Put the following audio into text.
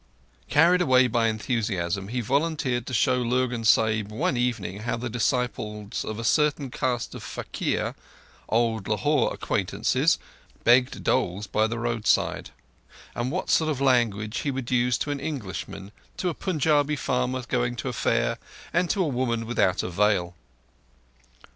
Carried away by enthusiasm, he volunteered to show Lurgan Sahib one evening how the disciples of a certain caste of faquir, old Lahore acquaintances, begged doles by the roadside; and what sort of language he would use to an Englishman, to a Punjabi farmer going to a fair, and to a woman without a veil.